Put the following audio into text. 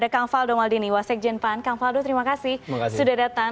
kang faldo terima kasih sudah datang